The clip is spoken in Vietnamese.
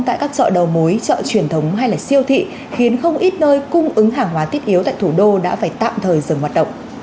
tại các chợ đầu mối chợ truyền thống hay siêu thị khiến không ít nơi cung ứng hàng hóa thiết yếu tại thủ đô đã phải tạm thời dừng hoạt động